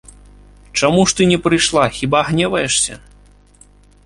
Чаму ж ты не прыйшла, хіба гневаешся?